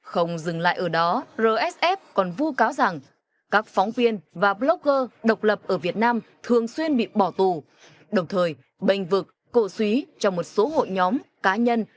không dừng lại ở đó rsf còn vu cáo rằng các phóng viên và blogger độc lập ở việt nam thường xuyên bị bỏ tù đồng thời bình vực cổ suý cho một số hội nhóm cá nhân